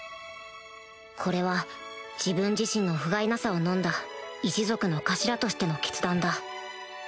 これは自分自身のふがいなさをのんだ一族の頭としての決断だ